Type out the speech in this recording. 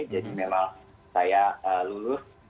jadi memang saya lulus